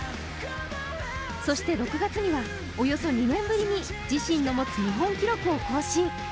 そして、６月にはおよそ２年ぶりに自身が持つ日本記録を更新。